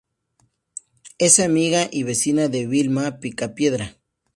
Es amiga y vecina de Vilma Picapiedra.